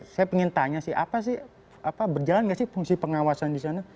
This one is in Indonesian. saya pengen tanya sih apa sih apa berjalan gak sih fungsi pengawasan di sana